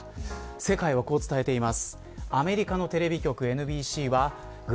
世界は、こう伝えています。